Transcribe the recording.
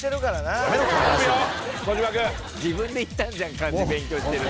自分で言ったんじゃん漢字勉強してるって。